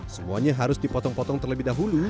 semuanya harus dipotong potong terlebih dahulu